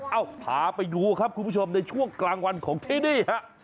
พาไปดูครับคุณผู้ชมในช่วงกลางวันของที่นี่ฮะ